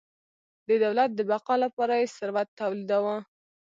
د دولت د بقا لپاره یې ثروت تولیداوه.